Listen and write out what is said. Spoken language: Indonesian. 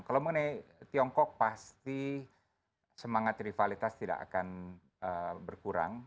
kalau mengenai tiongkok pasti semangat rivalitas tidak akan berkurang